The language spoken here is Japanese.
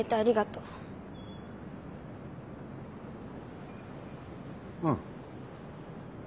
うん。